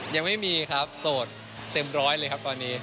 ยังไม่มีครับโสดเต็มร้อยเลยครับตอนนี้